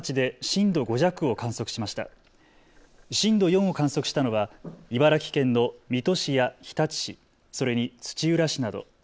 震度４を観測したのは茨城県の水戸市や日立市、それに土浦市など。